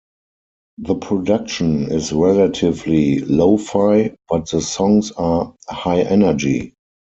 The production is relatively lo-fi but the songs are high-energy.